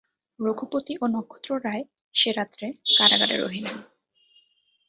রঘুপতি ও নক্ষত্ররায় সে রাত্রে কারাগারে রহিলেন।